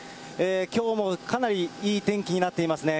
きょうもかなりいい天気になっていますね。